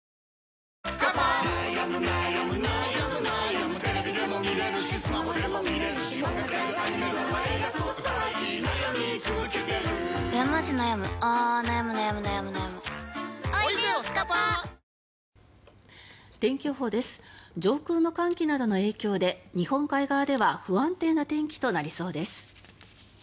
上空の寒気などの影響で日本海側では不安定な天気となりそうです。